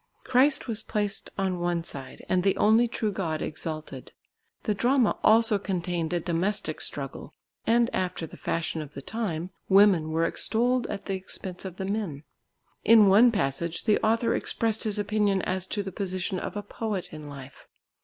Christ was placed on one side and the only true God exalted. The drama also contained a domestic struggle, and, after the fashion of the time, women were extolled at the expense of the men. In one passage the author expressed his opinion as to the position of a poet in life.